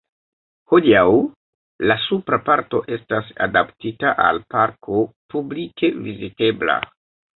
Hodiaŭ la supra parto estas adaptita al parko publike vizitebla.